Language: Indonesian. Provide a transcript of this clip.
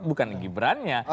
bukan gibran nya